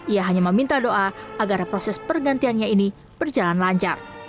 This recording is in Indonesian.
ia hanya meminta doa agar proses pergantiannya ini berjalan lancar